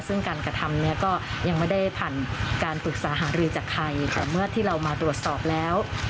ซึ่งการกระทำเนี่ยก็ยังไม่ได้ผ่านการปรึกษาหารือจากใครแต่เมื่อที่เรามาตรวจสอบแล้ว